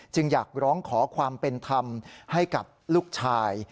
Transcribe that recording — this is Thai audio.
อยากร้องขอความเป็นธรรมให้กับลูกชาย